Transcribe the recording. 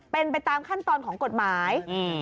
เป็นไปตามขั้นตอนของกฎหมาย